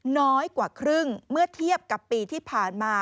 น้อยกว่าครึ่งเมื่อเทียบกับปีที่ผ่านมา